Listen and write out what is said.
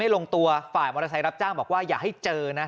ลงตัวฝ่ายมอเตอร์ไซค์รับจ้างบอกว่าอย่าให้เจอนะ